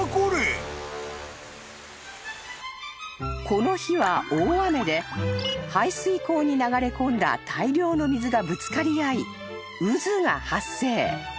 ［この日は大雨で排水溝に流れ込んだ大量の水がぶつかり合い渦が発生］